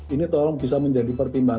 ini tolong bisa menjadi pertimbangan